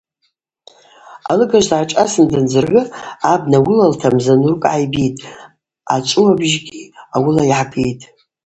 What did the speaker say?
Алыгажв дгӏашӏасын дандзыргӏвы, абна уылалта мза нуркӏ гӏайбитӏ, ачӏвыуабыжьгьи ауыла йгӏагитӏ.